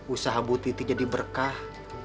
usaha bu titi jadi berkah